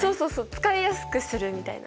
使いやすくするみたいな。